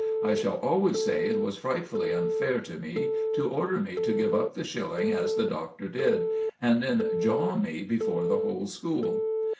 I shall always say it was frightfully unfair to me to order me to give up the shilling as the Doctor did, and then jaw me before the whole school.